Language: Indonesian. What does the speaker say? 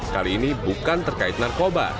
kali ini bukan terkait narkoba